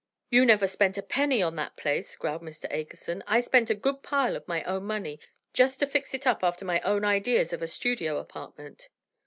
"You never spent a penny on that place," growled Mr. Akerson, "I spent a good pile of my own money, just to fix it up after my own ideas of a studio apartment."